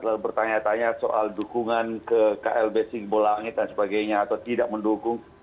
lalu bertanya tanya soal dukungan ke klb simbol langit dan sebagainya atau tidak mendukung